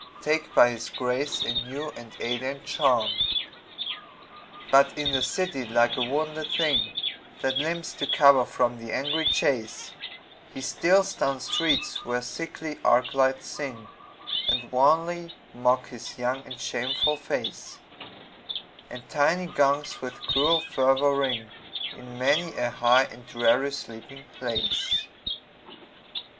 Take by his grace a new and alien charm. But in the city, like a wounded thing That limps to cover from the angry chase, He steals down streets where sickly arc lights sing, And wanly mock his young and shameful face; And tiny gongs with cruel fervor ring In many a high and dreary sleeping place.